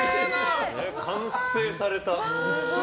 完成された。